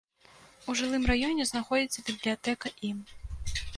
У жылым раёне знаходзіцца бібліятэка ім.